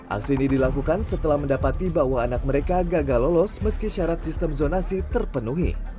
aksi ini dilakukan setelah mendapati bahwa anak mereka gagal lolos meski syarat sistem zonasi terpenuhi